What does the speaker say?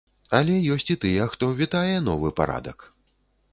Але ёсць і тыя, хто вітае новы парадак.